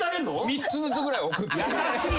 ３つずつぐらい送って。